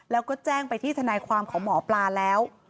แล้วก็แจ้งไปที่ทนายความของหมอปลาแล้ว